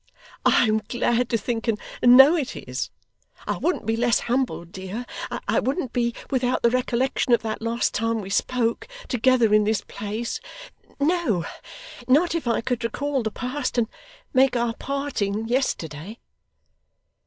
I am glad to think and know it is. I wouldn't be less humbled, dear I wouldn't be without the recollection of that last time we spoke together in this place no, not if I could recall the past, and make our parting, yesterday.